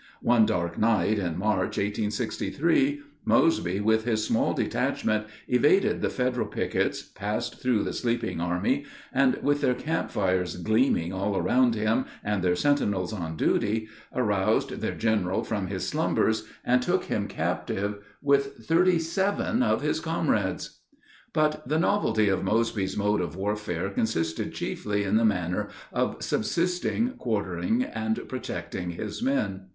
One dark night in March, 1863, Mosby, with this small detachment, evaded the Federal pickets, passed through the sleeping army, and with their camp fires gleaming all around him, and their sentinels on duty, aroused their general from his slumbers, and took him captive with thirty seven of his comrades. But the novelty of Mosby's mode of warfare consisted chiefly in the manner of subsisting, quartering and protecting his men.